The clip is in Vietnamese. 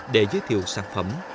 để giới thiệu sản phẩm